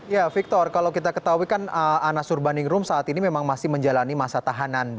ya victor kalau kita ketahui kan anas urbaningrum saat ini memang masih menjalani masa tahanan